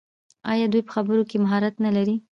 آیا دوی په خبرو کې مهارت نلري؟